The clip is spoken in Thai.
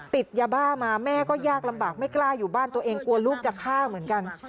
ติดยาบ้ามาแม่ก็ยากลำบากไม่กล้าอยู่บ้านตัวเองกลัวลูกจะฆ่าเหมือนกัน